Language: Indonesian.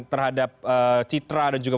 terhadap citra dan juga